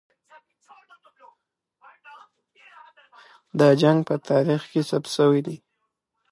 دا جنګ په تاریخ کې ثبت سوی دی.